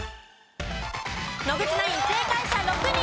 野口ナイン正解者６人。